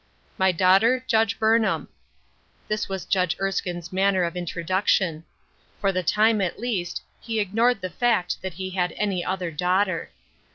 " My daughter, Judge Bumham." This was Judge Erskiue's manner of introduction. For the time, at least, he ignored the fact that he had any other daughter.